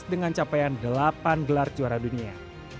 dengan capaian delapan gelar juara dunia